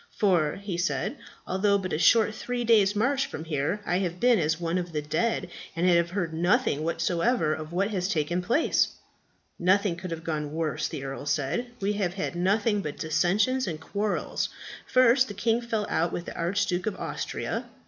"For," he said, "although but a short three days' march from here, I have been as one of the dead, and have heard nothing whatever of what has taken place." "Nothing could have gone worse," the earl said. "We have had nothing but dissensions and quarrels. First, the king fell out with the Archduke of Austria."